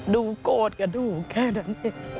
ดูโกตกระดูกแค่นั้นเอง